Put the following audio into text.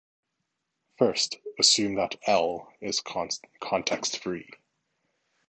First, assume that "L" is context free.